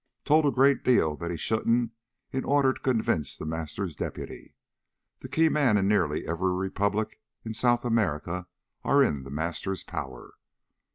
Told a great deal that he shouldn't, in order to convince The Master's deputy. The key men in nearly every republic in South America are in The Master's power.